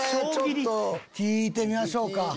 聞いてみましょうか。